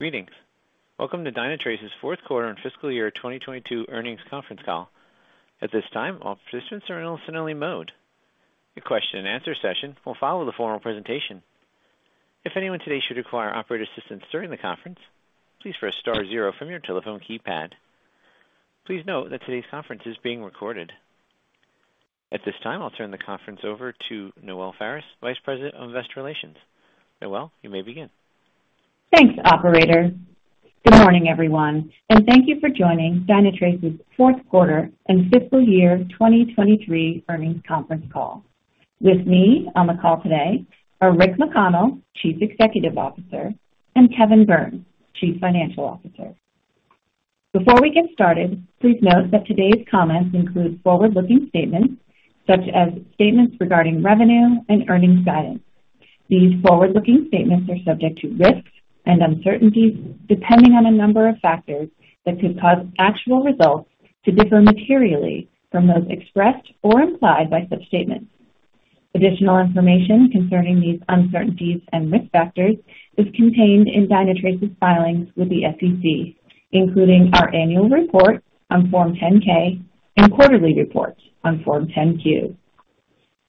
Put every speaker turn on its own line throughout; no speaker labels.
Greetings. Welcome to Dynatrace's fourth quarter and fiscal year 2022 earnings conference call. At this time, all participants are in listen-only mode. A question-and-answer session will follow the formal presentation. If anyone today should require operator assistance during the conference, please press star zero from your telephone keypad. Please note that today's conference is being recorded. At this time, I'll turn the conference over to Noelle Faris, Vice President of Investor Relations. Noelle, you may begin.
Thanks, operator. Good morning, everyone, and thank you for joining Dynatrace's fourth quarter and fiscal year 2023 earnings conference call. With me on the call today are Rick McConnell, Chief Executive Officer, and Kevin Burns, Chief Financial Officer. Before we get started, please note that today's comments include forward-looking statements such as statements regarding revenue and earnings guidance. These forward-looking statements are subject to risks and uncertainties, depending on a number of factors that could cause actual results to differ materially from those expressed or implied by such statements. Additional information concerning these uncertainties and risk factors is contained in Dynatrace's filings with the SEC, including our annual report on Form 10-K and quarterly reports on Form 10-Q.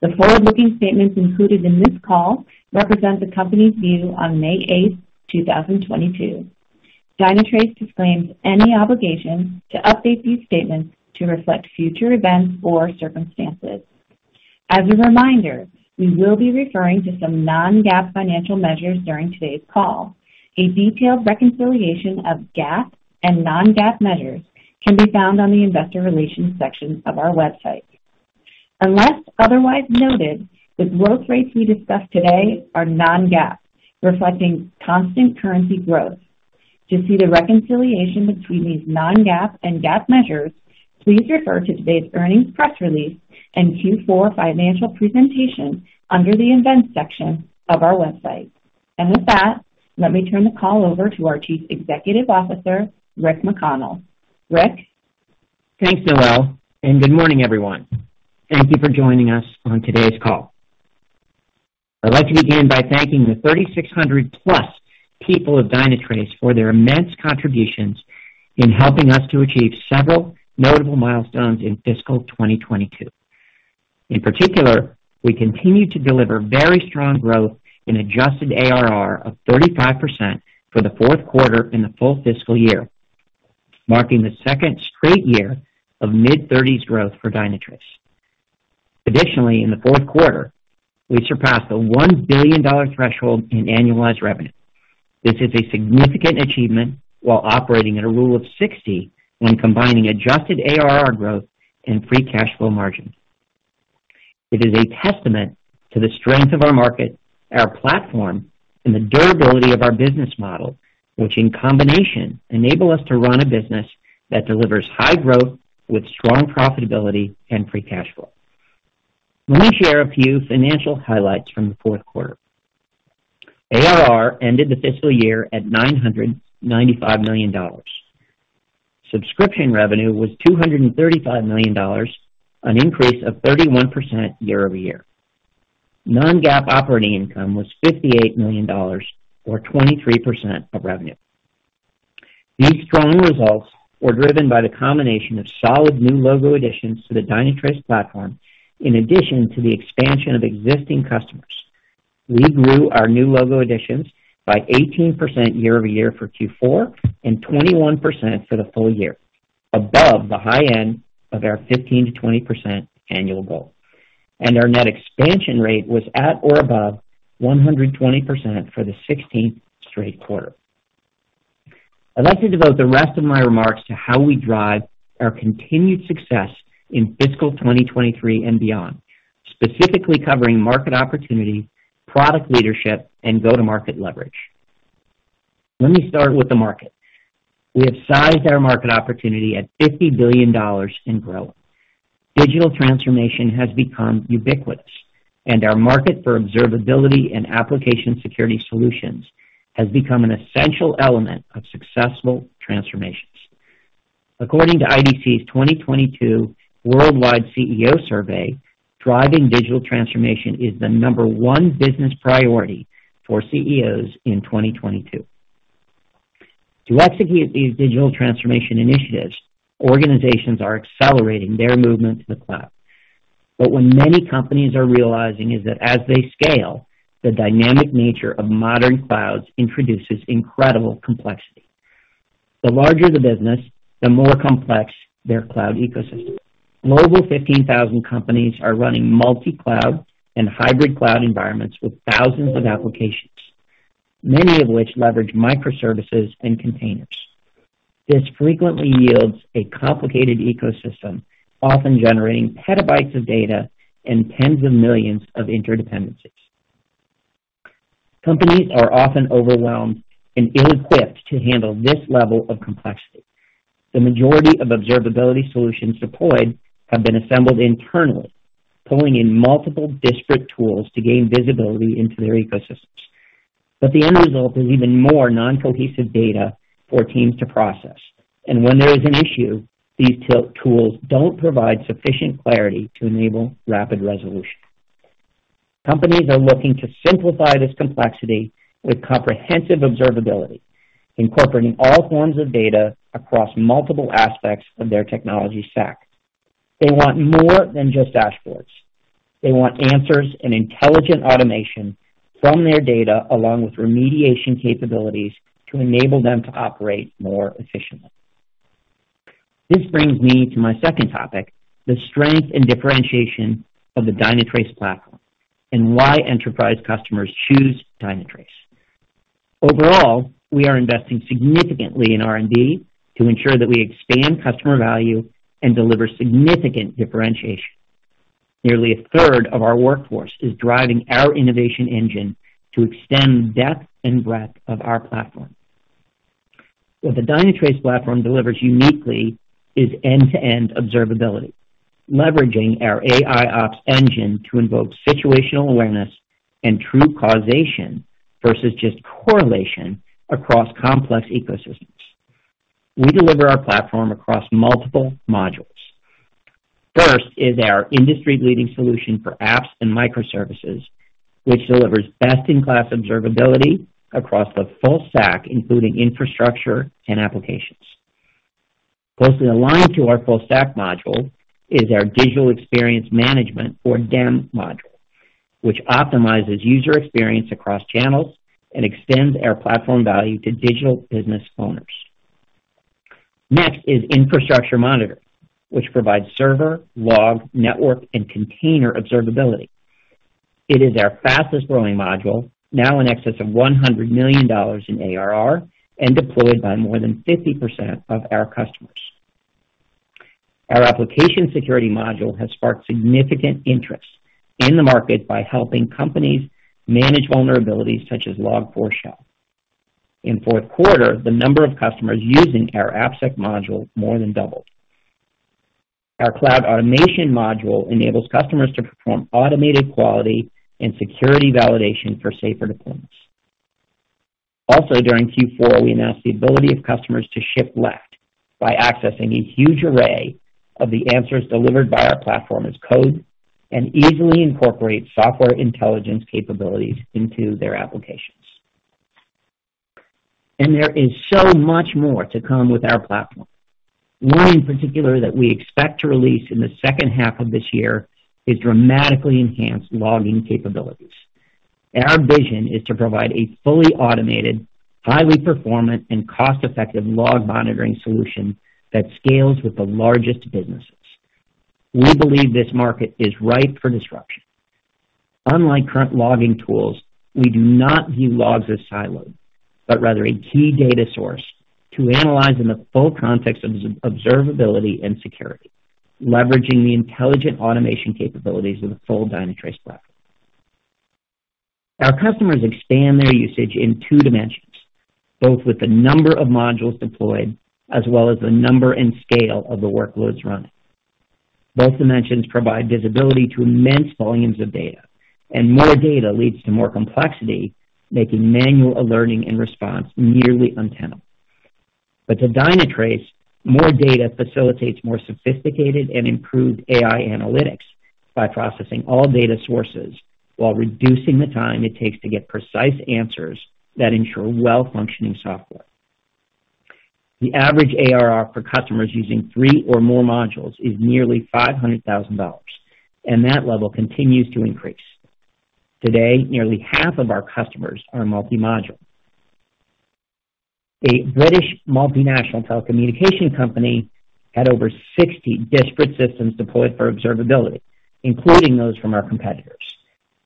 The forward-looking statements included in this call represent the company's view on May 8, 2022. Dynatrace disclaims any obligation to update these statements to reflect future events or circumstances. As a reminder, we will be referring to some non-GAAP financial measures during today's call. A detailed reconciliation of GAAP and non-GAAP measures can be found on the investor relations section of our website. Unless otherwise noted, the growth rates we discuss today are non-GAAP, reflecting constant currency growth. To see the reconciliation between these non-GAAP and GAAP measures, please refer to today's earnings press release and Q4 financial presentation under the Events section of our website. With that, let me turn the call over to our Chief Executive Officer, Rick McConnell. Rick?
Thanks, Noelle, and good morning, everyone. Thank you for joining us on today's call. I'd like to begin by thanking the 3,600+ people of Dynatrace for their immense contributions in helping us to achieve several notable milestones in fiscal 2022. In particular, we continue to deliver very strong growth in adjusted ARR of 35% for the fourth quarter in the full fiscal year, marking the second straight year of mid-30s growth for Dynatrace. Additionally, in the fourth quarter, we surpassed the $1 billion threshold in annualized revenue. This is a significant achievement while operating at a rule of 60 when combining adjusted ARR growth and free cash flow margins. It is a testament to the strength of our market, our platform, and the durability of our business model, which in combination enable us to run a business that delivers high growth with strong profitability and free cash flow. Let me share a few financial highlights from the fourth quarter. ARR ended the fiscal year at $995 million. Subscription revenue was $235 million, an increase of 31% YoY. Non-GAAP operating income was $58 million or 23% of revenue. These strong results were driven by the combination of solid new logo additions to the Dynatrace platform in addition to the expansion of existing customers. We grew our new logo additions by 18% YoY for Q4, and 21% for the full year, above the high end of our 15%-20% annual goal. Our net expansion rate was at or above 120% for the 16th straight quarter. I'd like to devote the rest of my remarks to how we drive our continued success in fiscal 2023 and beyond, specifically covering market opportunity, product leadership, and go-to-market leverage. Let me start with the market. We have sized our market opportunity at $50 billion and growing. Digital transformation has become ubiquitous, and our market for observability and application security solutions has become an essential element of successful transformations. According to IDC's 2022 worldwide CEO survey, driving digital transformation is the number one business priority for CEOs in 2022. To execute these digital transformation initiatives, organizations are accelerating their movement to the cloud. What many companies are realizing is that as they scale, the dynamic nature of modern clouds introduces incredible complexity. The larger the business, the more complex their cloud ecosystem. Global 15,000 companies are running multi-cloud and hybrid cloud environments with thousands of applications, many of which leverage microservices and containers. This frequently yields a complicated ecosystem, often generating petabytes of data and tens of millions of interdependencies. Companies are often overwhelmed and ill-equipped to handle this level of complexity. The majority of observability solutions deployed have been assembled internally, pulling in multiple disparate tools to gain visibility into their ecosystems. The end result is even more non-cohesive data for teams to process. When there is an issue, these tools don't provide sufficient clarity to enable rapid resolution. Companies are looking to simplify this complexity with comprehensive observability, incorporating all forms of data across multiple aspects of their technology stack. They want more than just dashboards. They want answers and intelligent automation from their data, along with remediation capabilities to enable them to operate more efficiently. This brings me to my second topic, the strength and differentiation of the Dynatrace platform and why enterprise customers choose Dynatrace. Overall, we are investing significantly in R&D to ensure that we expand customer value and deliver significant differentiation. Nearly a third of our workforce is driving our innovation engine to extend depth and breadth of our platform. What the Dynatrace platform delivers uniquely is end-to-end observability, leveraging our AIOps engine to invoke situational awareness and true causation versus just correlation across complex ecosystems. We deliver our platform across multiple modules. First is our industry-leading solution for apps and microservices, which delivers best-in-class observability across the full stack, including infrastructure and applications. Closely aligned to our full stack module is our Digital Experience Management or DEM module, which optimizes user experience across channels and extends our platform value to digital business owners. Next is Infrastructure Monitoring, which provides server, log, network, and container observability. It is our fastest-growing module, now in excess of $100 million in ARR and deployed by more than 50% of our customers. Our Application Security module has sparked significant interest in the market by helping companies manage vulnerabilities such as Log4Shell. In fourth quarter, the number of customers using our AppSec module more than doubled. Our Cloud Automation module enables customers to perform automated quality and security validation for safer deployments. Also during Q4, we announced the ability of customers to shift left by accessing a huge array of the answers delivered by our platform as code and easily incorporate software intelligence capabilities into their applications. There is so much more to come with our platform. One in particular that we expect to release in the second half of this year is dramatically enhanced logging capabilities. Our vision is to provide a fully automated, highly performant, and cost-effective log monitoring solution that scales with the largest businesses. We believe this market is ripe for disruption. Unlike current logging tools, we do not view logs as siloed, but rather a key data source to analyze in the full context of observability and security, leveraging the intelligent automation capabilities of the full Dynatrace platform. Our customers expand their usage in two dimensions, both with the number of modules deployed as well as the number and scale of the workloads running. Both dimensions provide visibility to immense volumes of data, and more data leads to more complexity, making manual alerting and response nearly untenable. To Dynatrace, more data facilitates more sophisticated and improved AI analytics by processing all data sources while reducing the time it takes to get precise answers that ensure well-functioning software. The average ARR for customers using three or more modules is nearly $500,000, and that level continues to increase. Today, nearly half of our customers are multi-module. A British multinational telecommunication company had over 60 disparate systems deployed for observability, including those from our competitors.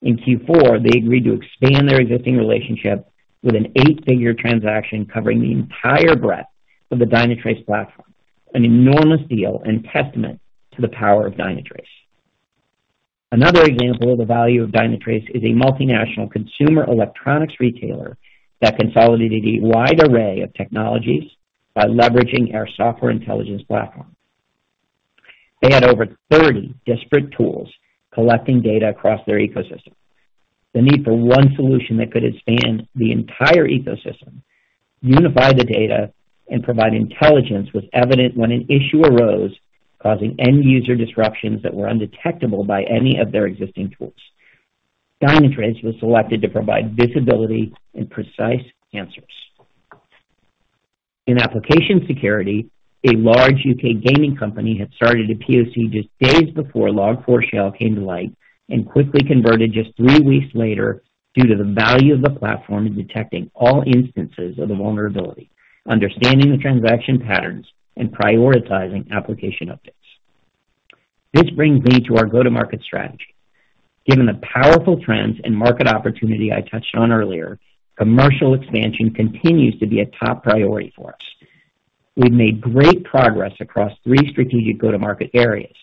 In Q4, they agreed to expand their existing relationship with an eight-figure transaction covering the entire breadth of the Dynatrace platform, an enormous deal and testament to the power of Dynatrace. Another example of the value of Dynatrace is a multinational consumer electronics retailer that consolidated a wide array of technologies by leveraging our software intelligence platform. They had over 30 disparate tools collecting data across their ecosystem. The need for one solution that could expand the entire ecosystem, unify the data, and provide intelligence was evident when an issue arose, causing end-user disruptions that were undetectable by any of their existing tools. Dynatrace was selected to provide visibility and precise answers. In Application Security, a large UK gaming company had started a POC just days before Log4Shell came to light and quickly converted just three weeks later due to the value of the platform in detecting all instances of the vulnerability, understanding the transaction patterns, and prioritizing application updates. This brings me to our go-to-market strategy. Given the powerful trends and market opportunity I touched on earlier, commercial expansion continues to be a top priority for us. We've made great progress across three strategic go-to-market areas,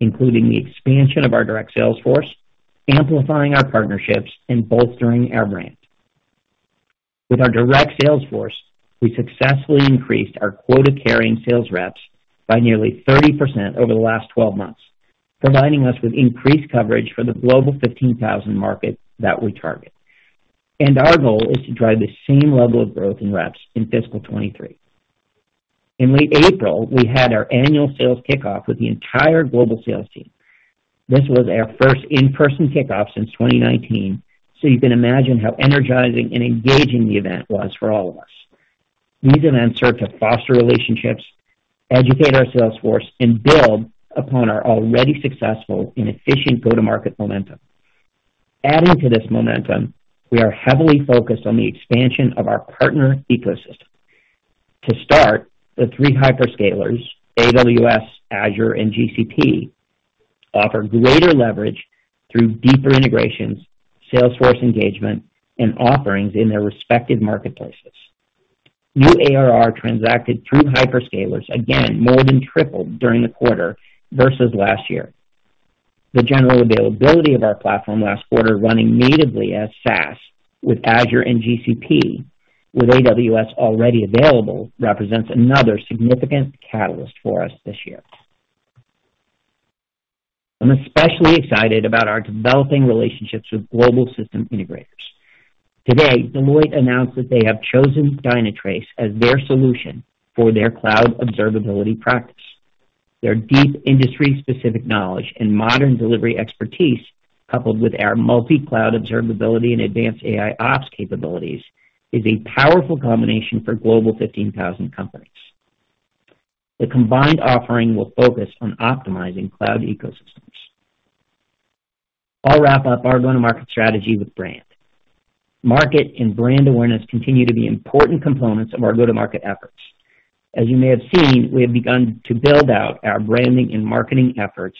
including the expansion of our direct sales force, amplifying our partnerships, and bolstering our brand. With our direct sales force, we successfully increased our quota-carrying sales reps by nearly 30% over the last 12 months, providing us with increased coverage for the Global 15,000 market that we target. Our goal is to drive the same level of growth in reps in fiscal 2023. In late April, we had our annual sales kickoff with the entire global sales team. This was our first in-person kickoff since 2019, so you can imagine how energizing and engaging the event was for all of us. These events serve to foster relationships, educate our sales force, and build upon our already successful and efficient go-to-market momentum. Adding to this momentum, we are heavily focused on the expansion of our partner ecosystem. To start, the three hyperscalers, AWS, Azure, and GCP, offer greater leverage through deeper integrations, sales force engagement, and offerings in their respective marketplaces. New ARR transacted through hyperscalers again more than tripled during the quarter versus last year. The general availability of our platform last quarter running natively as SaaS with Azure and GCP, with AWS already available, represents another significant catalyst for us this year. I'm especially excited about our developing relationships with global system integrators. Today, Deloitte announced that they have chosen Dynatrace as their solution for their cloud observability practice. Their deep industry specific knowledge and modern delivery expertise, coupled with our multi-cloud observability and advanced AIOps capabilities, is a powerful combination for Global 15,000 companies. The combined offering will focus on optimizing cloud ecosystems. I'll wrap up our go-to-market strategy with branding. Marketing and brand awareness continue to be important components of our go-to-market efforts. As you may have seen, we have begun to build out our branding and marketing efforts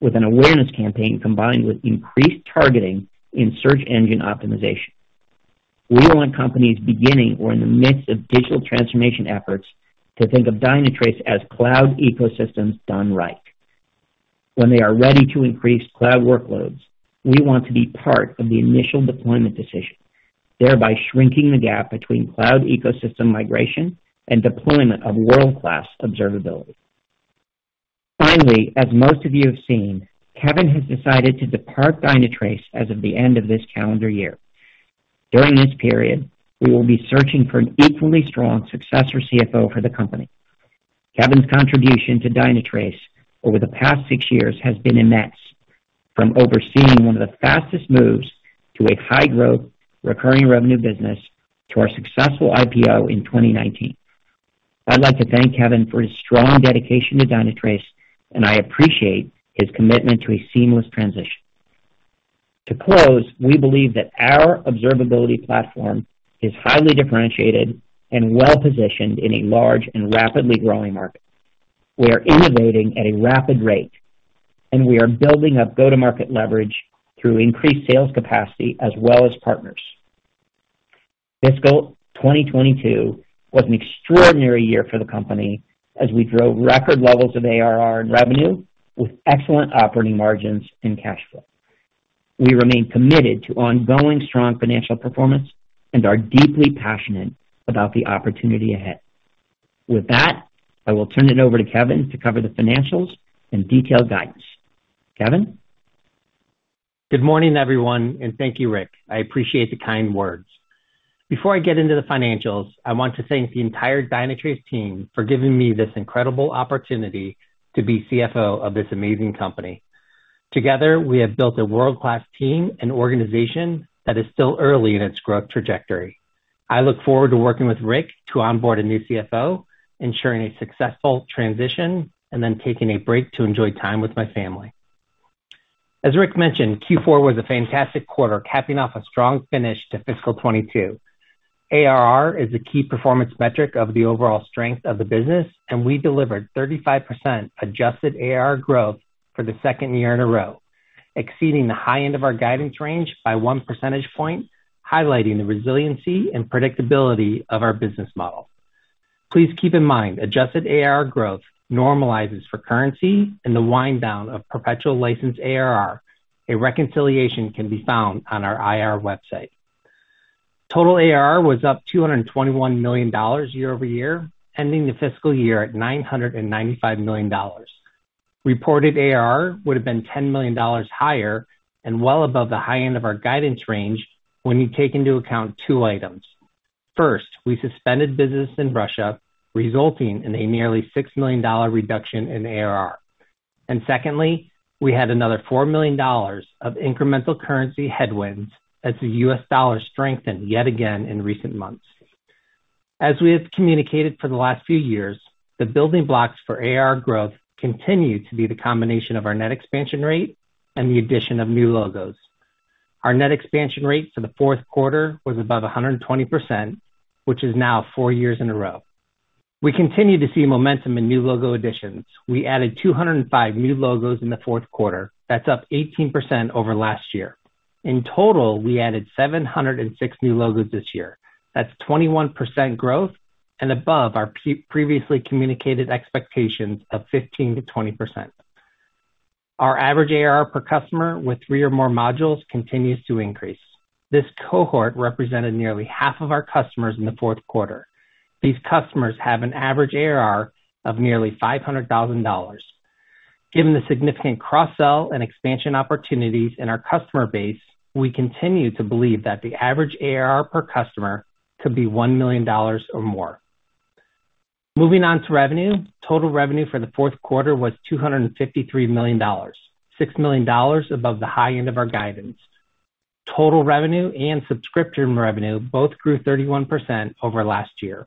with an awareness campaign combined with increased targeting in search engine optimization. We want companies beginning or in the midst of digital transformation efforts to think of Dynatrace as cloud ecosystems done right. When they are ready to increase cloud workloads, we want to be part of the initial deployment decision, thereby shrinking the gap between cloud ecosystem migration and deployment of world-class observability. Finally, as most of you have seen, Kevin has decided to depart Dynatrace as of the end of this calendar year. During this period, we will be searching for an equally strong successor CFO for the company. Kevin's contribution to Dynatrace over the past six years has been immense, from overseeing one of the fastest moves to a high-growth recurring revenue business to our successful IPO in 2019. I'd like to thank Kevin for his strong dedication to Dynatrace, and I appreciate his commitment to a seamless transition. To close, we believe that our observability platform is highly differentiated and well positioned in a large and rapidly growing market. We are innovating at a rapid rate, and we are building up go-to-market leverage through increased sales capacity as well as partners. Fiscal 2022 was an extraordinary year for the company as we drove record levels of ARR and revenue with excellent operating margins and cash flow. We remain committed to ongoing strong financial performance and are deeply passionate about the opportunity ahead. With that, I will turn it over to Kevin to cover the financials and detailed guidance. Kevin?
Good morning, everyone, and thank you, Rick. I appreciate the kind words. Before I get into the financials, I want to thank the entire Dynatrace team for giving me this incredible opportunity to be CFO of this amazing company. Together, we have built a world-class team and organization that is still early in its growth trajectory. I look forward to working with Rick to onboard a new CFO, ensuring a successful transition, and then taking a break to enjoy time with my family. As Rick mentioned, Q4 was a fantastic quarter, capping off a strong finish to fiscal 2022. ARR is a key performance metric of the overall strength of the business, and we delivered 35% adjusted ARR growth for the second year in a row, exceeding the high end of our guidance range by one percentage point, highlighting the resiliency and predictability of our business model. Please keep in mind adjusted ARR growth normalizes for currency and the wind down of perpetual license ARR. A reconciliation can be found on our IR website. Total ARR was up $221 million YoY, ending the fiscal year at $995 million. Reported ARR would have been $10 million higher and well above the high end of our guidance range when you take into account two items. First, we suspended business in Russia, resulting in a nearly $6 million reduction in ARR. Secondly, we had another $4 million of incremental currency headwinds as the US dollar strengthened yet again in recent months. As we have communicated for the last few years, the building blocks for ARR growth continue to be the combination of our net expansion rate and the addition of new logos. Our net expansion rate for the fourth quarter was above 120%, which is now four years in a row. We continue to see momentum in new logo additions. We added 205 new logos in the fourth quarter. That's up 18% over last year. In total, we added 706 new logos this year. That's 21% growth and above our previously communicated expectations of 15%-20%. Our average ARR per customer with three or more modules continues to increase. This cohort represented nearly half of our customers in the fourth quarter. These customers have an average ARR of nearly $500,000. Given the significant cross-sell and expansion opportunities in our customer base, we continue to believe that the average ARR per customer could be $1 million or more. Moving on to revenue. Total revenue for the fourth quarter was $253 million, $6 million above the high end of our guidance. Total revenue and subscription revenue both grew 31% over last year.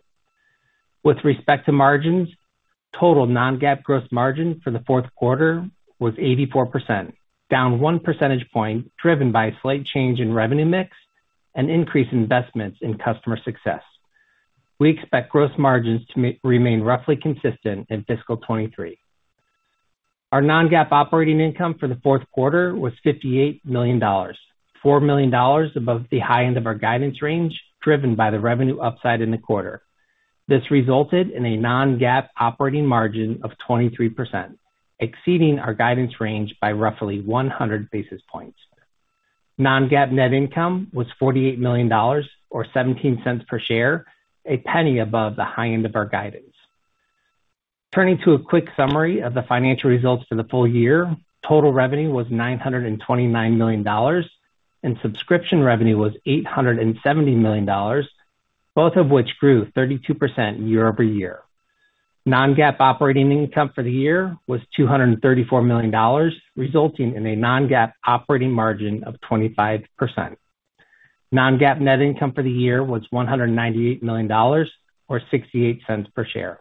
With respect to margins, total non-GAAP gross margin for the fourth quarter was 84%, down 1 percentage point, driven by a slight change in revenue mix and increase in investments in customer success. We expect gross margins to remain roughly consistent in fiscal 2023. Our non-GAAP operating income for the fourth quarter was $58 million, $4 million above the high end of our guidance range, driven by the revenue upside in the quarter. This resulted in a non-GAAP operating margin of 23%, exceeding our guidance range by roughly 100 basis points. Non-GAAP net income was $48 million or 17 cents per share, a penny above the high end of our guidance. Turning to a quick summary of the financial results for the full year. Total revenue was $929 million, and subscription revenue was $870 million, both of which grew 32% YoY. Non-GAAP operating income for the year was $234 million, resulting in a non-GAAP operating margin of 25%. Non-GAAP net income for the year was $198 million or 68 cents per share.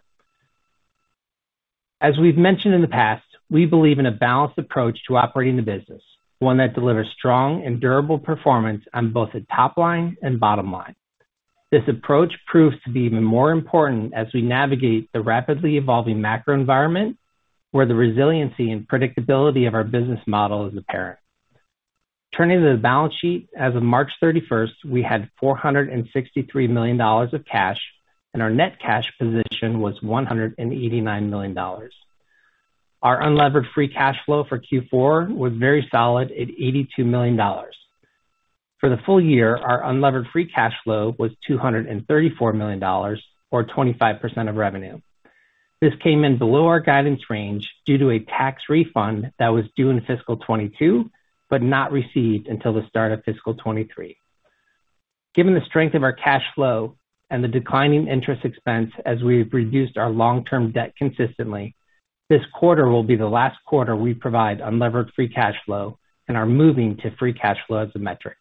As we've mentioned in the past, we believe in a balanced approach to operating the business, one that delivers strong and durable performance on both the top line and bottom line. This approach proves to be even more important as we navigate the rapidly evolving macro environment, where the resiliency and predictability of our business model is apparent. Turning to the balance sheet, as of March 31st, we had $463 million of cash, and our net cash position was $189 million. Our unlevered free cash flow for Q4 was very solid at $82 million. For the full year, our unlevered free cash flow was $234 million, or 25% of revenue. This came in below our guidance range due to a tax refund that was due in fiscal 2022, but not received until the start of fiscal 2023. Given the strength of our cash flow and the declining interest expense as we've reduced our long-term debt consistently, this quarter will be the last quarter we provide unlevered free cash flow and are moving to free cash flow as a metric.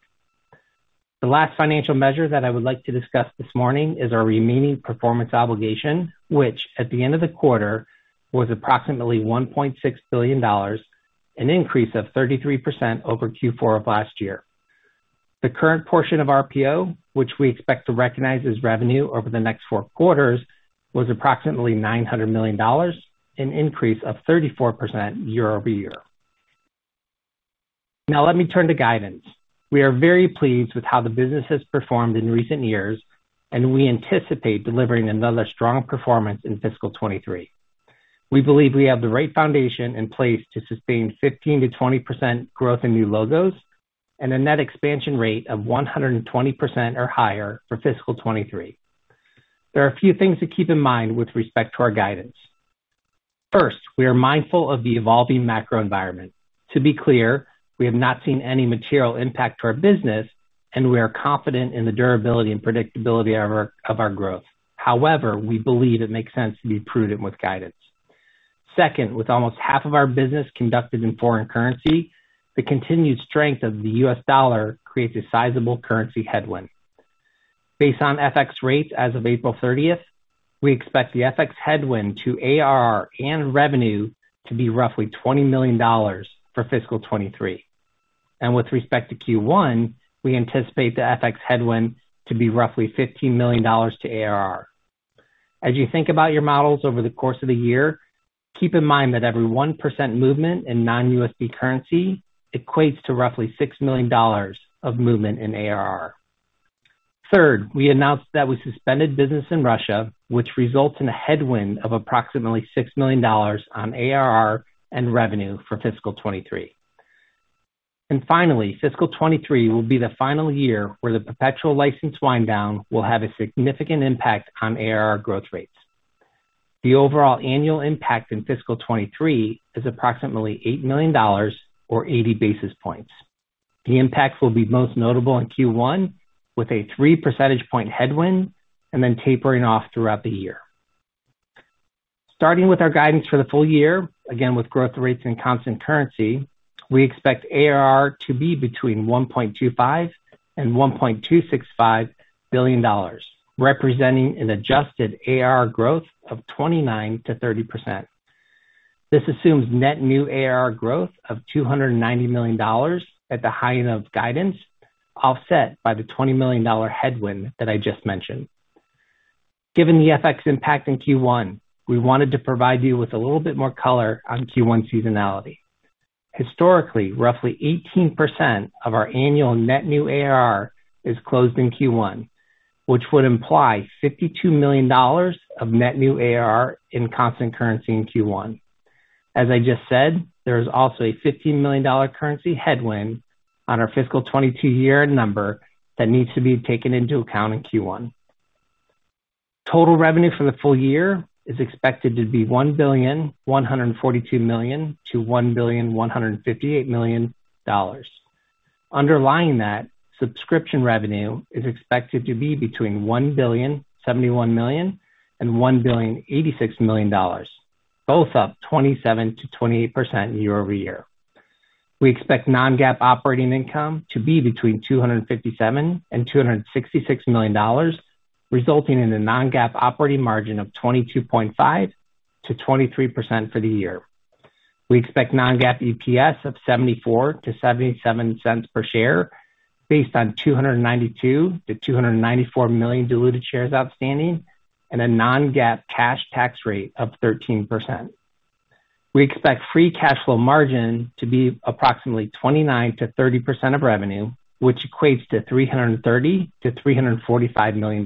The last financial measure that I would like to discuss this morning is our remaining performance obligation, which at the end of the quarter was approximately $1.6 billion, an increase of 33% over Q4 of last year. The current portion of RPO, which we expect to recognize as revenue over the next four quarters, was approximately $900 million, an increase of 34% YoY. Now let me turn to guidance. We are very pleased with how the business has performed in recent years, and we anticipate delivering another strong performance in fiscal 2023. We believe we have the right foundation in place to sustain 15%-20% growth in new logos and a net expansion rate of 120% or higher for fiscal 2023. There are a few things to keep in mind with respect to our guidance. First, we are mindful of the evolving macro environment. To be clear, we have not seen any material impact to our business, and we are confident in the durability and predictability of our growth. However, we believe it makes sense to be prudent with guidance. Second, with almost half of our business conducted in foreign currency, the continued strength of the US dollar creates a sizable currency headwind. Based on FX rates as of April 30th, we expect the FX headwind to ARR and revenue to be roughly $20 million for fiscal 2023. With respect to Q1, we anticipate the FX headwind to be roughly $15 million to ARR. As you think about your models over the course of the year, keep in mind that every 1% movement in non-USD currency equates to roughly $6 million of movement in ARR. Third, we announced that we suspended business in Russia, which results in a headwind of approximately $6 million on ARR and revenue for fiscal 2023. Finally, fiscal 2023 will be the final year where the perpetual license wind down will have a significant impact on ARR growth rates. The overall annual impact in fiscal 2023 is approximately $8 million or 80 basis points. The impacts will be most notable in Q1 with a 3 percentage point headwind and then tapering off throughout the year. Starting with our guidance for the full year, again with growth rates in constant currency, we expect ARR to be between $1.25 billion and $1.265 billion, representing an adjusted ARR growth of 29%-30%. This assumes net new ARR growth of $290 million at the high end of guidance, offset by the $20 million headwind that I just mentioned. Given the FX impact in Q1, we wanted to provide you with a little bit more color on Q1 seasonality. Historically, roughly 18% of our annual net new ARR is closed in Q1, which would imply $52 million of net new ARR in constant currency in Q1. As I just said, there is also a $15 million currency headwind on our fiscal 2022 year-end number that needs to be taken into account in Q1. Total revenue for the full year is expected to be $1.142 billion-$1.158 billion. Underlying that, subscription revenue is expected to be between $1.071 billion and $1.086 billion, both up 27%-28%YoY. We expect non-GAAP operating income to be between $257 million and $266 million, resulting in a non-GAAP operating margin of 22.5%-23% for the year. We expect non-GAAP EPS of $0.74-$0.77 per share based on 292-294 million diluted shares outstanding and a non-GAAP cash tax rate of 13%. We expect free cash flow margin to be approximately 29%-30% of revenue, which equates to $330-$345 million.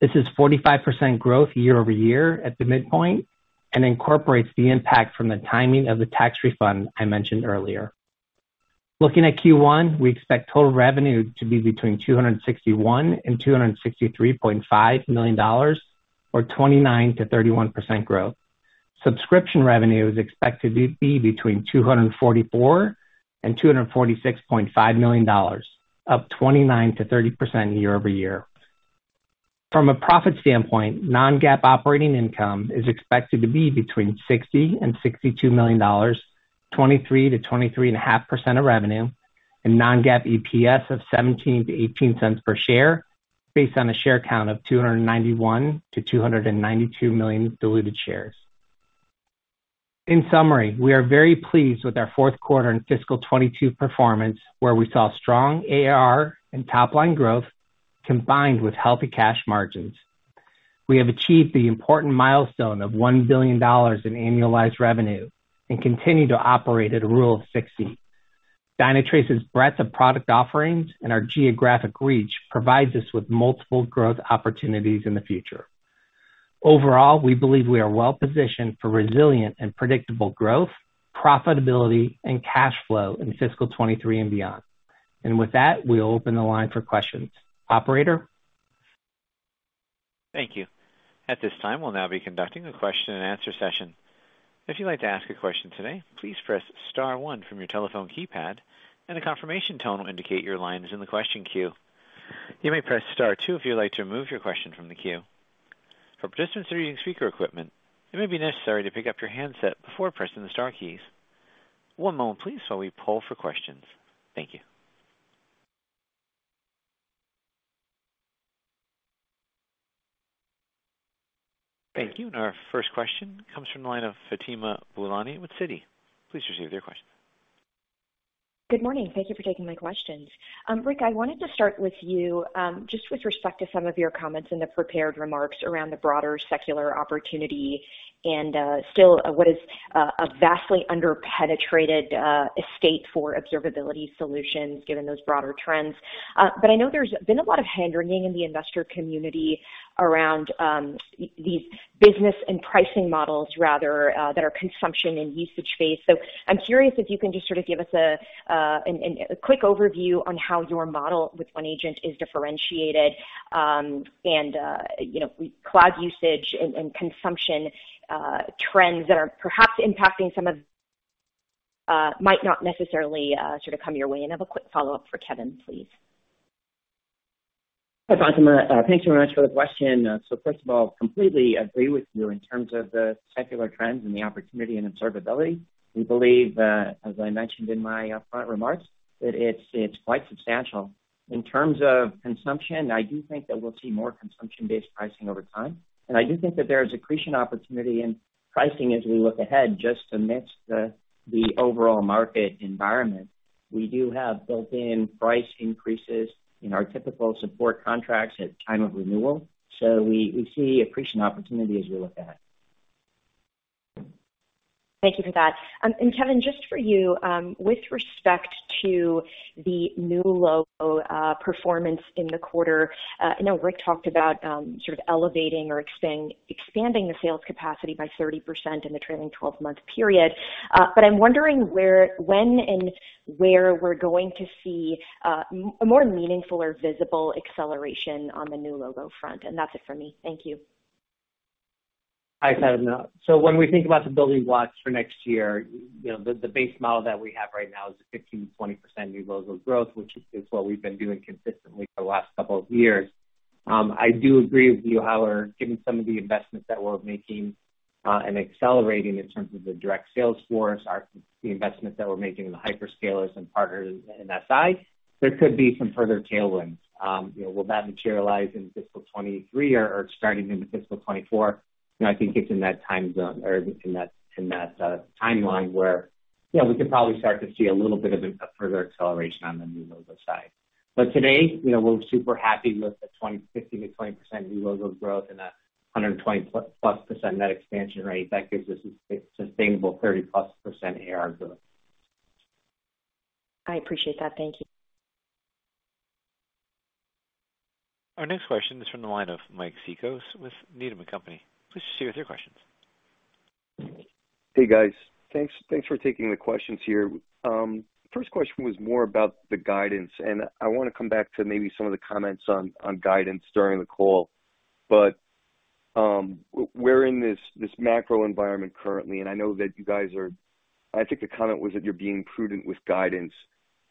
This is 45% growth YoY at the midpoint and incorporates the impact from the timing of the tax refund I mentioned earlier. Looking at Q1, we expect total revenue to be between $261-$263.5 million or 29%-31% growth. Subscription revenue is expected to be between $244-$246.5 million, up 29%-30% YoY. From a profit standpoint, non-GAAP operating income is expected to be between $60-$62 million, 23%-23.5% of revenue and non-GAAP EPS of $0.17-$0.18 per share based on a share count of 291-292 million diluted shares. In summary, we are very pleased with our fourth quarter and fiscal 2022 performance, where we saw strong ARR and top-line growth combined with healthy cash margins. We have achieved the important milestone of $1 billion in annualized revenue and continue to operate at a rule of 60. Dynatrace's breadth of product offerings and our geographic reach provides us with multiple growth opportunities in the future. Overall, we believe we are well-positioned for resilient and predictable growth, profitability and cash flow in fiscal 2023 and beyond. With that, we'll open the line for questions. Operator?
Thank you. At this time, we'll now be conducting a question and answer session. If you'd like to ask a question today, please press star one from your telephone keypad and a confirmation tone will indicate your line is in the question queue. You may press star two if you'd like to remove your question from the queue. For participants who are using speaker equipment, it may be necessary to pick up your handset before pressing the star keys. One moment please while we poll for questions. Thank you. Thank you. Our first question comes from the line of Fatima Boolani with Citi. Please proceed with your question.
Good morning. Thank you for taking my questions. Rick, I wanted to start with you, just with respect to some of your comments in the prepared remarks around the broader secular opportunity and still what is a vastly under-penetrated estate for observability solutions given those broader trends. But I know there's been a lot of hand-wringing in the investor community around these business and pricing models rather that are consumption and usage-based. I'm curious if you can just sort of give us a quick overview on how your model with one agent is differentiated, and you know, cloud usage and consumption trends that are perhaps impacting some of might not necessarily sort of come your way. Have a quick follow-up for Kevin, please.
Hi, Fatima. Thank you very much for the question. First of all, completely agree with you in terms of the secular trends and the opportunity in observability. We believe, as I mentioned in my front remarks, that it's quite substantial. In terms of consumption, I do think that we'll see more consumption-based pricing over time. I do think that there is accretion opportunity in pricing as we look ahead, just amidst the overall market environment. We do have built-in price increases in our typical support contracts at time of renewal. We see accretion opportunity as we look ahead.
Thank you for that. Kevin, just for you, with respect to the new logo performance in the quarter, I know Rick talked about sort of expanding the sales capacity by 30% in the trailing 12-month period. I'm wondering when and where we're going to see a more meaningful or visible acceleration on the new logo front. That's it for me. Thank you.
Hi, Fatima. When we think about the building blocks for next year, you know, the base model that we have right now is a 15%-20% new logo growth, which is what we've been doing consistently for the last couple of years. I do agree with you, however, given some of the investments that we're making and accelerating in terms of the direct sales force, the investments that we're making in the hyperscalers and partners in SI, there could be some further tailwinds. You know, will that materialize in fiscal 2023 or starting in the fiscal 2024? You know, I think it's in that time zone or in that timeline where, you know, we could probably start to see a little bit of a further acceleration on the new logo side. Today, you know, we're super happy with the 15%-20% new logos growth and 120+% net expansion rate that gives us sustainable 30+% AR growth.
I appreciate that. Thank you.
Our next question is from the line of Mike Cikos with Needham & Company. Please go ahead with your question.
Hey guys, thanks for taking the questions here. First question was more about the guidance, and I wanna come back to maybe some of the comments on guidance during the call. We're in this macro environment currently, and I know that you guys are, I think the comment was that you're being prudent with guidance.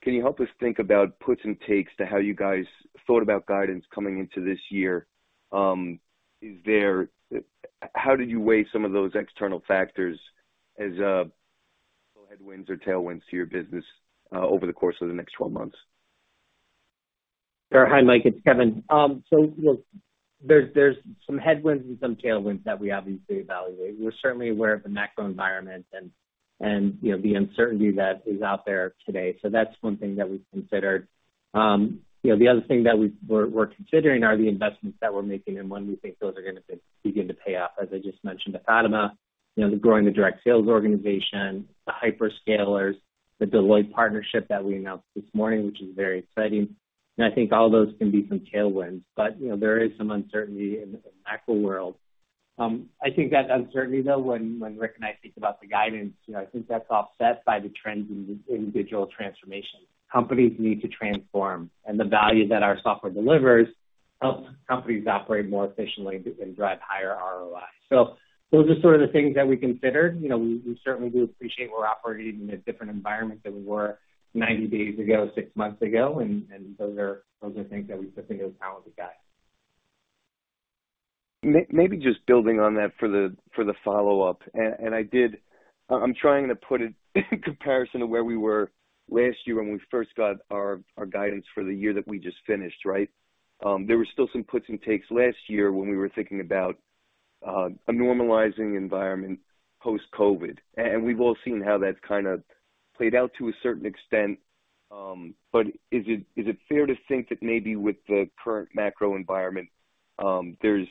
Can you help us think about puts and takes to how you guys thought about guidance coming into this year? How did you weigh some of those external factors as headwinds or tailwinds to your business over the course of the next twelve months?
Sure. Hi, Mike, it's Kevin. Look, there's some headwinds and some tailwinds that we obviously evaluate. We're certainly aware of the macro environment and, you know, the uncertainty that is out there today. That's one thing that we've considered. You know, the other thing that we're considering are the investments that we're making and when we think those are gonna begin to pay off, as I just mentioned to Fatima, you know, the growing the direct sales organization, the hyperscalers, the Deloitte partnership that we announced this morning, which is very exciting. I think all those can be some tailwinds. You know, there is some uncertainty in the macro world. I think that uncertainty, though, when Rick and I think about the guidance, you know, I think that's offset by the trends in digital transformation. Companies need to transform, and the value that our software delivers helps companies operate more efficiently and drive higher ROI. Those are sort of the things that we considered. You know, we certainly do appreciate we're operating in a different environment than we were 90 days ago, six months ago, and those are things that we just think it was time with the guide.
Maybe just building on that for the follow-up. I'm trying to put it in comparison to where we were last year when we first got our guidance for the year that we just finished, right? There were still some puts and takes last year when we were thinking about a normalizing environment post-COVID. We've all seen how that's kinda played out to a certain extent. Is it fair to think that maybe with the current macro environment, there's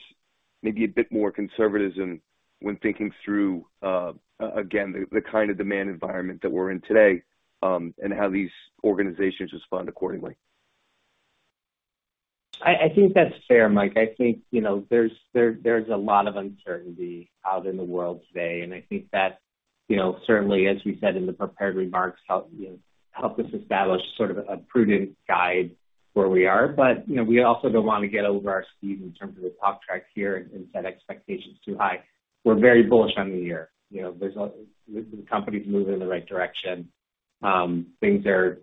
maybe a bit more conservatism when thinking through again the kind of demand environment that we're in today, and how these organizations respond accordingly?
I think that's fair, Mike. I think, you know, there's a lot of uncertainty out in the world today, and I think that, you know, certainly, as we said in the prepared remarks, help us establish sort of a prudent guide where we are. We also don't wanna get over our skis in terms of the top track here and set expectations too high. We're very bullish on the year. You know, the company's moving in the right direction. Things are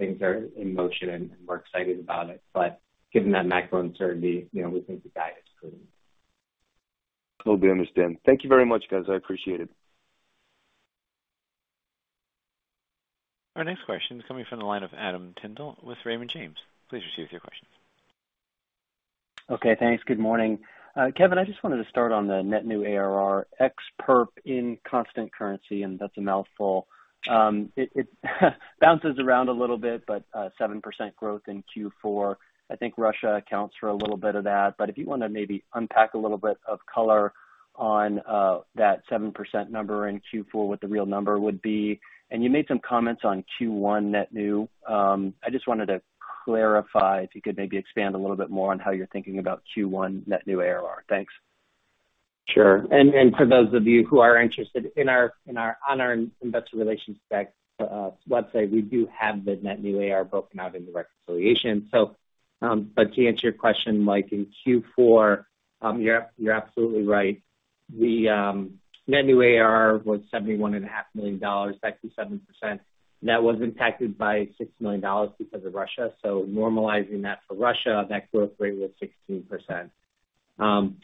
in motion, and we're excited about it. Given that macro uncertainty, you know, we think the guide is prudent.
Totally understand. Thank you very much, guys. I appreciate it.
Our next question is coming from the line of Adam Tindle with Raymond James. Please proceed with your questions.
Okay. Thanks. Good morning. Kevin, I just wanted to start on the net new ARR ex-perp in constant currency, and that's a mouthful. It bounces around a little bit, but 7% growth in Q4. I think Russia accounts for a little bit of that. If you wanna maybe unpack a little bit of color on that 7% number in Q4, what the real number would be. You made some comments on Q1 net new. I just wanted to clarify, if you could maybe expand a little bit on how you're thinking about Q1 net new ARR. Thanks.
Sure, for those of you who are interested on our investor relations site, website, we do have the net new ARR broken out in the reconciliation. To answer your question, Mike, in Q4, you're absolutely right. Net new ARR was $71.5 million, that's 27%. That was impacted by $6 million because of Russia. Normalizing that for Russia, that growth rate was 16%.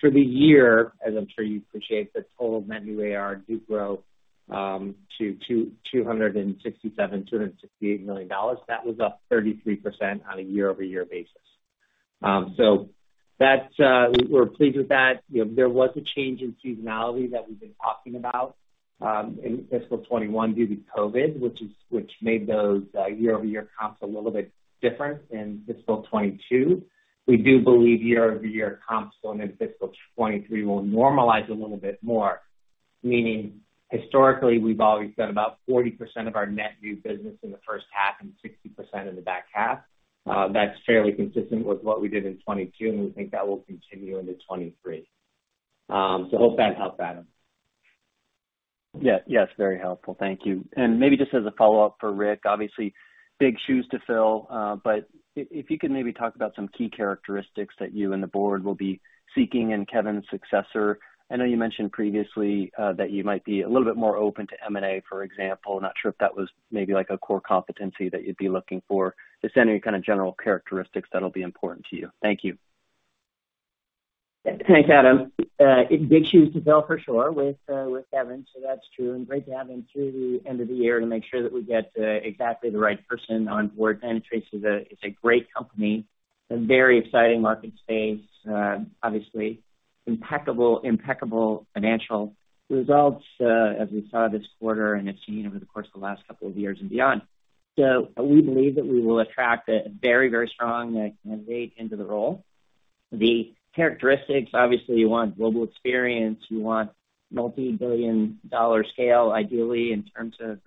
For the year, as I'm sure you appreciate, the total net new ARR do grow to $267-$268 million dollars. That was up 33% on a YoY basis. That, we're pleased with that. You know, there was a change in seasonality that we've been talking about in fiscal 2021 due to COVID, which made those YoY comps a little bit different in fiscal 2022. We do believe YoY comps going into fiscal 2023 will normalize a little bit more, meaning historically, we've always done about 40% of our net new business in the first half and 60% in the back half. That's fairly consistent with what we did in 2022, and we think that will continue into 2023. Hope that helped, Adam.
Yes, very helpful. Thank you. Maybe just as a follow-up for Rick, obviously big shoes to fill, but if you could maybe talk about some key characteristics that you and the board will be seeking in Kevin's successor. I know you mentioned previously that you might be a little bit more open to M&A, for example. Not sure if that was maybe like a core competency that you'd be looking for. Just any kind of general characteristics that'll be important to you. Thank you.
Thanks, Adam. Big shoes to fill for sure with Kevin, so that's true, and great to have him through the end of the year to make sure that we get exactly the right person on board. Dynatrace is a great company, a very exciting market space, obviously impeccable financial results, as we saw this quarter and have seen over the course of the last couple of years and beyond. We believe that we will attract a very, very strong candidate into the role. The characteristics, obviously you want global experience, you want multi-billion-dollar scale, ideally in terms of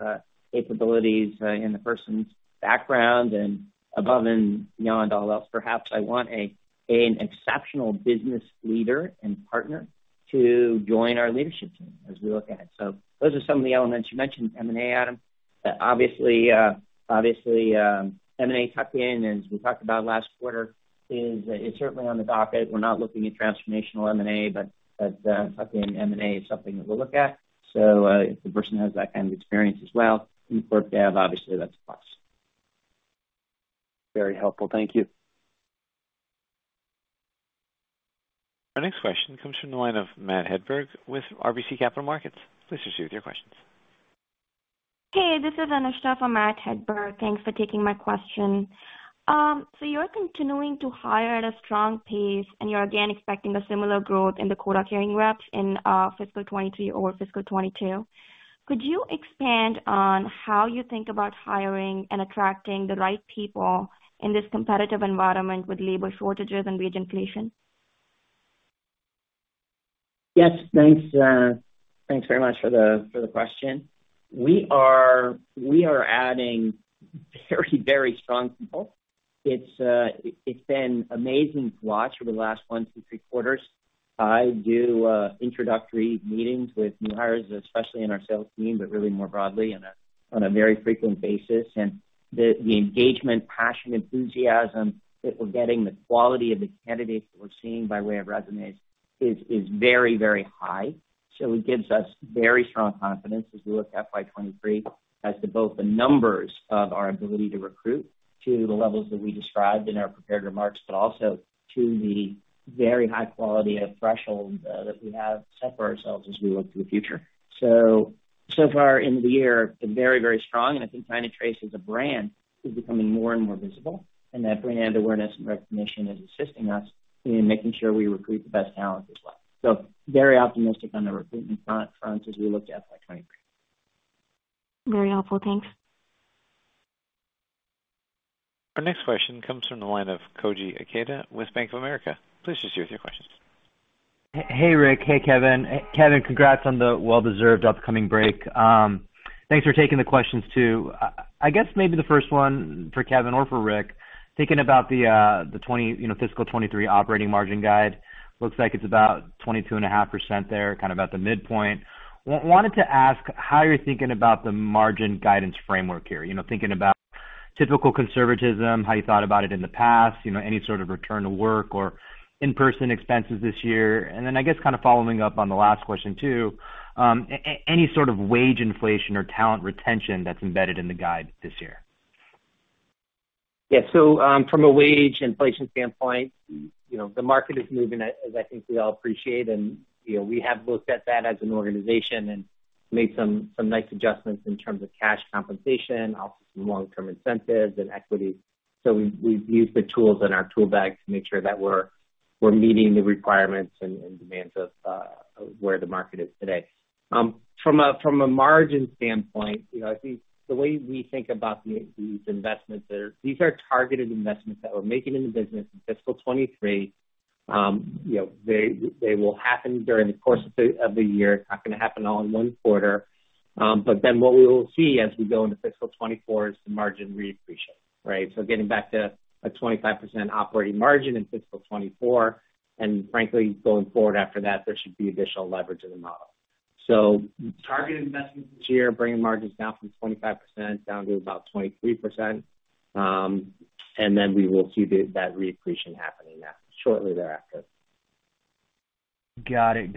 capabilities, in the person's background and above and beyond all else. Perhaps I want an exceptional business leader and partner to join our leadership team as we look at it. Those are some of the elements. You mentioned M&A, Adam. Obviously, M&A tuck-in, as we talked about last quarter, is certainly on the docket. We're not looking at transformational M&A, but tuck-in M&A is something that we'll look at. If the person has that kind of experience as well, deep M&A experience, obviously that's a plus. Very helpful. Thank you.
Our next question comes from the line of Matt Hedberg with RBC Capital Markets. Please proceed with your questions.
Hey, this is Anushtha for Matt Hedberg. Thanks for taking my question. You're continuing to hire at a strong pace, and you're again expecting a similar growth in the quota hiring reps in fiscal 2023 or fiscal 2022. Could you expand on how you think about hiring and attracting the right people in this competitive environment with labor shortages and wage inflation?
Yes. Thanks very much for the question. We are adding very, very strong people. It's been amazing to watch over the last one to three quarters. I do introductory meetings with new hires, especially in our sales team, but really more broadly on a very frequent basis. The engagement, passion, enthusiasm that we're getting, the quality of the candidates that we're seeing by way of resumes is very, very high. It gives us very strong confidence as we look at FY 2023 as to both the numbers of our ability to recruit to the levels that we described in our prepared remarks, but also to the very high quality of thresholds that we have set for ourselves as we look to the future. So far in the year, it's been very, very strong, and I think Dynatrace as a brand is becoming more and more visible, and that brand awareness and recognition is assisting us in making sure we recruit the best talent as well. Very optimistic on the recruitment front as we look to FY 2023.
Very helpful. Thanks.
Our next question comes from the line of Koji Ikeda with Bank of America. Please proceed with your questions.
Hey, Rick. Hey, Kevin. Kevin, congrats on the well-deserved upcoming break. Thanks for taking the questions, too. I guess maybe the first one for Kevin or for Rick, thinking about the fiscal 2023 operating margin guide. Looks like it's about 22.5% there, kind of at the midpoint. Wanted to ask how you're thinking about the margin guidance framework here. You know, thinking about typical conservatism, how you thought about it in the past, you know, any sort of return to work or in-person expenses this year. Then I guess kind of following up on the last question too, any sort of wage inflation or talent retention that's embedded in the guide this year.
Yeah. From a wage inflation standpoint, you know, the market is moving as I think we all appreciate. You know, we have looked at that as an organization and made some nice adjustments in terms of cash compensation, also some long-term incentives and equity. We've used the tools in our tool bag to make sure that we're meeting the requirements and demands of where the market is today. From a margin standpoint, you know, I think the way we think about these investments are targeted investments that we're making in the business in fiscal 2023. You know, they will happen during the course of the year. It's not gonna happen all in one quarter. What we will see as we go into fiscal 2024 is the margin reappreciate, right? Getting back to a 25% operating margin in fiscal 2024, and frankly, going forward after that, there should be additional leverage in the model. Targeted investments this year, bringing margins down from 25% down to about 23%. We will see that reappreciation happening now shortly thereafter.
Got it.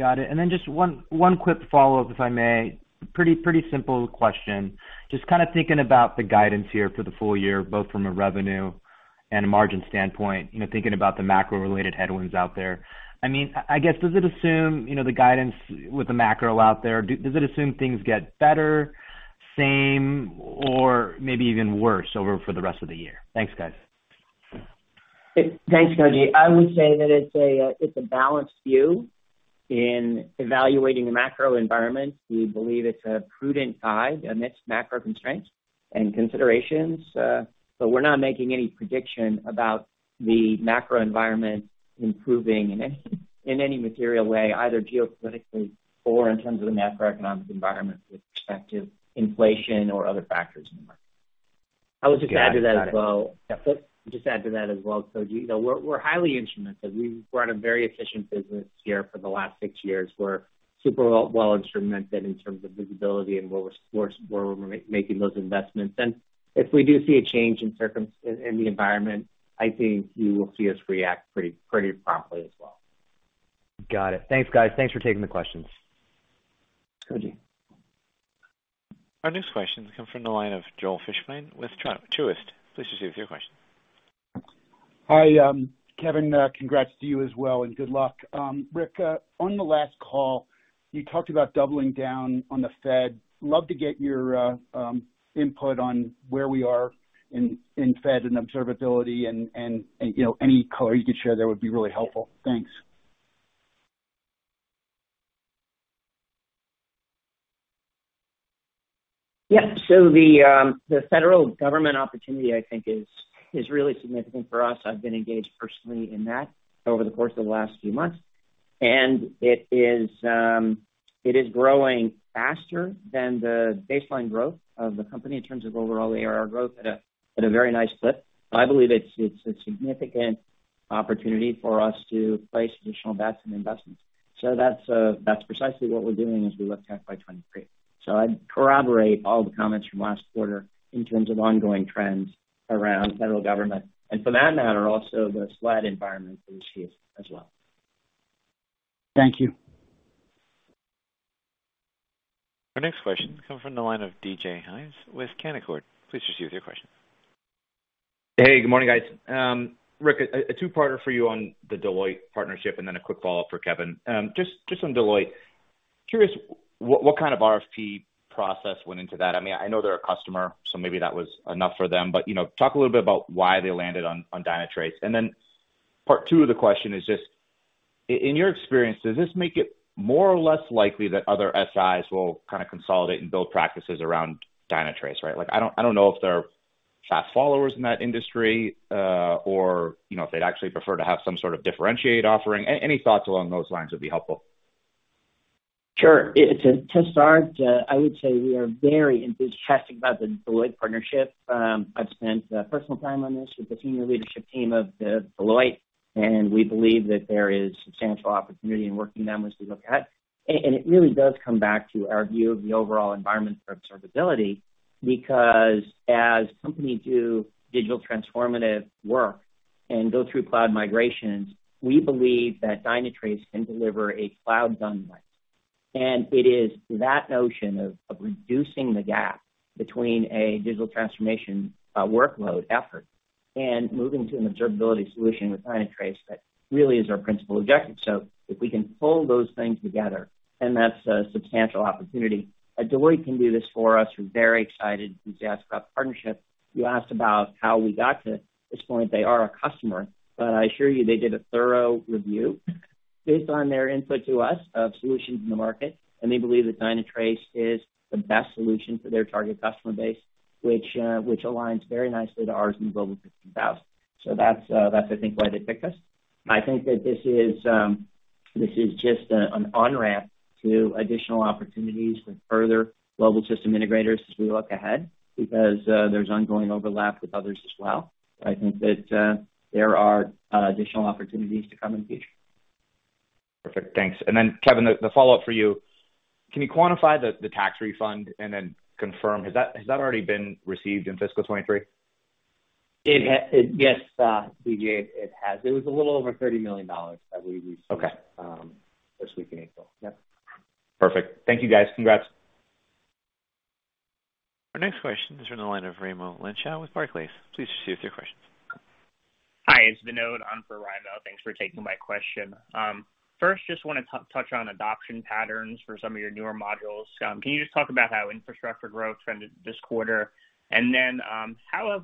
Just one quick follow-up, if I may. Pretty simple question. Just kind of thinking about the guidance here for the full year, both from a revenue and a margin standpoint. You know, thinking about the macro-related headwinds out there. I mean, I guess, does it assume, you know, the guidance with the macro out there, things get better, same, or maybe even worse over the rest of the year? Thanks, guys.
Thanks, Koji. I would say that it's a balanced view. In evaluating the macro environment, we believe it's a prudent guide amidst macro constraints and considerations. But we're not making any prediction about the macro environment improving in any material way, either geopolitically or in terms of the macroeconomic environment with respect to inflation or other factors in the market. I would just add to that as well.
Got it.
Yep. Just add to that as well, Koji. You know, we're highly instrumented. We've run a very efficient business here for the last six years. We're super well-instrumented in terms of visibility and where we're making those investments. If we do see a change in the environment, I think you will see us react pretty promptly as well.
Got it. Thanks, guys. Thanks for taking the questions.
Thanks, Koji.
Our next question comes from the line of Joel Fishbein with Truist. Please proceed with your question.
Hi, Kevin, congrats to you as well, and good luck. Rick, on the last call, you talked about doubling down on the Fed. Love to get your input on where we are in Fed and observability and you know, any color you could share there would be really helpful. Thanks.
Yeah. The federal government opportunity, I think is really significant for us. I've been engaged personally in that over the course of the last few months, and it is growing faster than the baseline growth of the company in terms of overall ARR growth at a very nice clip. I believe it's a significant opportunity for us to place additional bets and investments. That's precisely what we're doing as we look to FY 2023. I'd corroborate all the comments from last quarter in terms of ongoing trends around federal government. For that matter, also the SLED environment that we see as well.
Thank you.
Our next question comes from the line of DJ Hynes with Canaccord Genuity. Please proceed with your question.
Hey, good morning, guys. Rick, a two-parter for you on the Deloitte partnership and then a quick follow-up for Kevin. Just on Deloitte. Curious what kind of RFP process went into that? I mean, I know they're a customer, so maybe that was enough for them. You know, talk a little bit about why they landed on Dynatrace. Then part two of the question is just in your experience, does this make it more or less likely that other SIs will kind of consolidate and build practices around Dynatrace, right? Like I don't know if they're fast followers in that industry, or you know, if they'd actually prefer to have some sort of differentiated offering. Any thoughts along those lines would be helpful.
Sure. To start, I would say we are very enthusiastic about the Deloitte partnership. I've spent personal time on this with the senior leadership team of Deloitte, and we believe that there is substantial opportunity in working with them as we look ahead. It really does come back to our view of the overall environment for observability, because as companies do digital transformation work and go through cloud migrations, we believe that Dynatrace can deliver a cloud done right. It is that notion of reducing the gap between a digital transformation workload effort and moving to an observability solution with Dynatrace that really is our principal objective. If we can pull those things together, then that's a substantial opportunity. That Deloitte can do this for us, we're very excited, enthusiastic about the partnership. You asked about how we got to this point. They are a customer, but I assure you they did a thorough review based on their input to us of solutions in the market, and they believe that Dynatrace is the best solution for their target customer base, which aligns very nicely to ours in the global system integrators. That's I think why they picked us. I think that this is just an on-ramp to additional opportunities with further global system integrators as we look ahead because there's ongoing overlap with others as well. I think that there are additional opportunities to come in the future.
Perfect. Thanks. Kevin, the follow-up for you. Can you quantify the tax refund and then confirm, has that already been received in fiscal 2023?
Yes, DJ, it has. It was a little over $30 million that we received.
Okay.
This week in April. Yep.
Perfect. Thank you, guys. Congrats.
Our next question is from the line of Raimo Lenschow with Barclays. Please proceed with your question.
Hi, it's Vinod. I'm for Raimo. Thanks for taking my question. First just want to touch on adoption patterns for some of your newer modules. Can you just talk about how infrastructure growth trended this quarter? How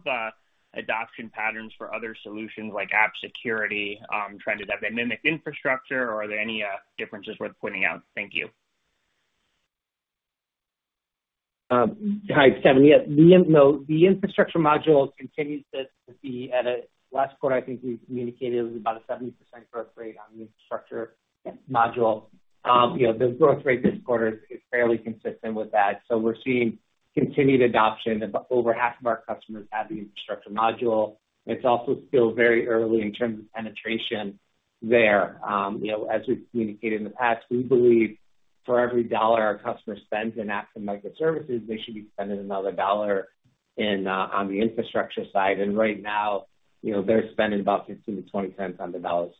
have adoption patterns for other solutions like app security trended? Have they mimicked infrastructure or are there any differences worth pointing out? Thank you.
Hi, it's Kevin. Yeah, Vinod, the infrastructure module continues to be. Last quarter, I think we communicated it was about a 70% growth rate on the infrastructure module. You know, the growth rate this quarter is fairly consistent with that. We're seeing continued adoption. Over half of our customers have the infrastructure module. It's also still very early in terms of penetration there. You know, as we've communicated in the past, we believe for every dollar our customer spends in Applications and Microservices, they should be spending another dollar in on the infrastructure side. Right now, you know, they're spending about 15-20 cents on the dollar.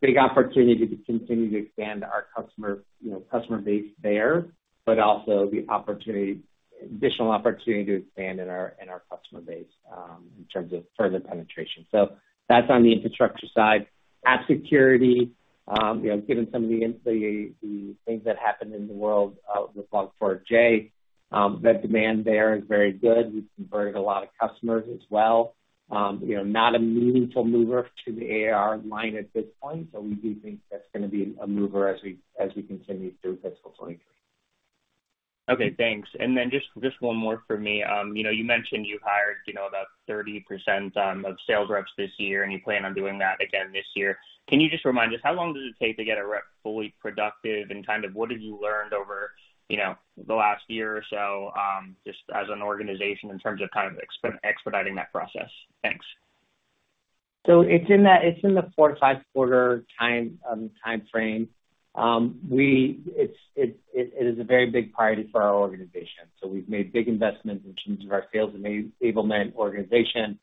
Big opportunity to continue to expand our customer, you know, customer base there, but also the additional opportunity to expand in our customer base in terms of further penetration. That's on the infrastructure side. App security, you know, given some of the things that happened in the world with Log4j, the demand there is very good. We've converted a lot of customers as well. Not a meaningful mover to the ARR line at this point, so we do think that's gonna be a mover as we continue through fiscal 2023.
Okay, thanks. Then just one more for me. You know, you mentioned you hired, you know, about 30% of sales reps this year, and you plan on doing that again this year. Can you just remind us how long does it take to get a rep fully productive and kind of what have you learned over, you know, the last year or so, just as an organization in terms of kind of expediting that process? Thanks.
It's in the four- to five-quarter time frame. It is a very big priority for our organization. We've made big investments in terms of our sales enablement organization,